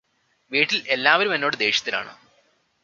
വീട്ടിൽ എല്ലാവരുമെന്നോട് ദേഷ്യത്തിലാണ്